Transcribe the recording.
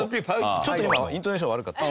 ちょっと今イントネーション悪かった？